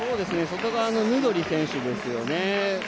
外側のヌドリ選手ですよね